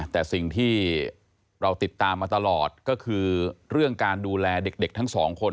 แต่สิ่งที่เราติดตามมาตลอดก็คือเรื่องการดูแลเด็กทั้งสองคน